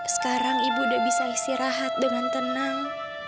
sekarang ibu udah bisa istirahat dengan tenang